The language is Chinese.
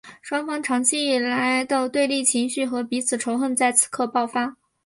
双方长期以来的对立情绪和彼此仇恨在此刻爆发。